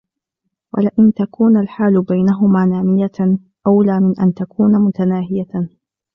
وَلَئِنْ تَكُونَ الْحَالُ بَيْنَهُمَا نَامِيَةً أَوْلَى مِنْ أَنْ تَكُونَ مُتَنَاهِيَةً